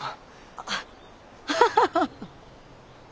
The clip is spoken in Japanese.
あハハハ！